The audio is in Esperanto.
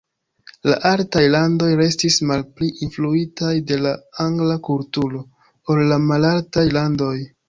La altaj landoj restis malpli influitaj de la angla kulturo ol la malaltaj landoj.